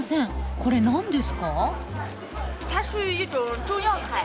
これ何ですか？